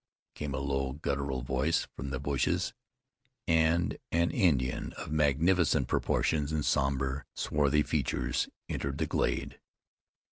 "Ugh!" came a low, guttural voice from the bushes, and an Indian of magnificent proportions and somber, swarthy features, entered the glade.